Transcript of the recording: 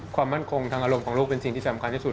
ความมั่นคงทางอารมณ์ของลูกเป็นสิ่งที่สำคัญที่สุด